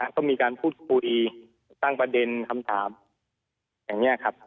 ก็มีการพูดคุยตั้งประเด็นคำถามอย่างนี้ครับ